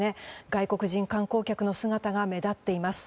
外国人観光客の姿が目立っています。